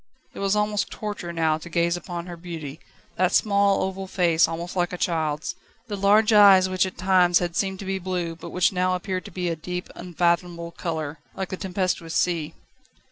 It was almost torture now to gaze upon her beauty that small, oval face, almost like a child's, the large eyes which at times had seemed to be blue but which now appeared to be a deep, unfathomable colour, like the tempestuous sea.